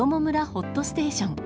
ホッとステーション。